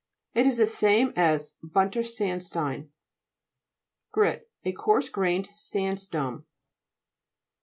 It is the same as bunter sandstein. GRIT A coarse grained sandstone.